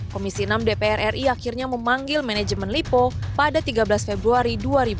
komisi enam dpr ri akhirnya memanggil manajemen lipo pada tiga belas februari dua ribu dua puluh